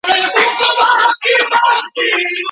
پاکه لیکنه د لوستونکي کار اسانوي.